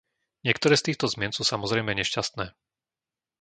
Niektoré z týchto zmien sú samozrejme nešťastné.